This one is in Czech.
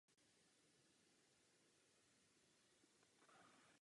Ty nikdy neignorujeme a tento přístup se snažíme dodržovat.